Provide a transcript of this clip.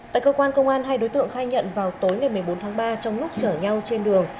tại cơ quan công an hai đối tượng khai nhận vào tối ngày một mươi bốn tháng ba trong lúc chở nhau trên đường